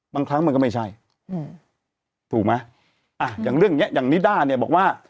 บางครั้งมันก็ไม่ใช่อืมถูกไหมอ่ะอย่างเรื่องเนี้ยอย่างนิด้าเนี่ยบอกว่า